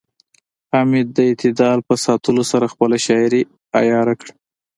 حمید د اعتدال په ساتلو سره خپله شاعرۍ عیاره کړه